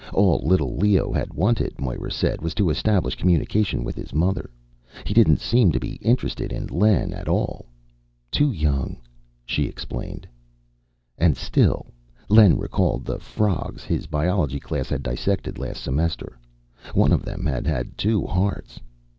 All little Leo had wanted, Moira said, was to establish communication with his mother he didn't seem to be interested in Len at all. "Too young," she explained. And still Len recalled the frogs his biology class had dissected last semester. One of them had had two hearts.